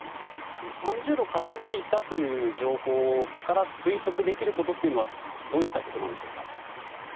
その３０度傾いた情報から推測できることというのはどういったことなんでしょうか？